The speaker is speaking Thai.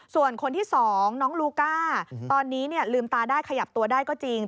ส่วนคนที่๒น้องลูก้าตอนนี้ลืมตาได้ขยับตัวได้ก็จริง